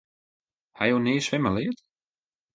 Ha jo nea swimmen leard?